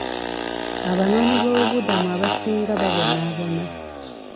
Abanoonyiboobubudamu abasinga babonaabona.